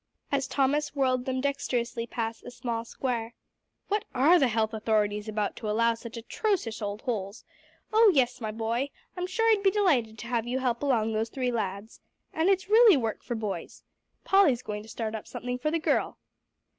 as Thomas whirled them dexterously past a small square. "What are the health authorities about, to allow such atrocious old holes? Oh, yes, my boy, I'm sure I'd be delighted to have you help along those three lads. And it's really work for boys. Polly's going to start up something for the girl."